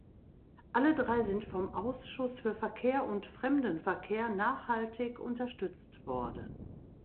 Alle drei sind vom Ausschuss für Verkehr und Fremdenverkehr nachhaltig unterstützt worden.